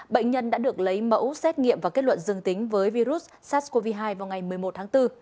bệnh nhân đã được lấy mẫu xét nghiệm và kết luận dương tính với virus sars cov hai vào ngày một mươi một tháng bốn